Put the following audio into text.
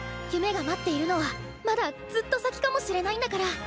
夢が待っているのはまだずっと先かもしれないんだから。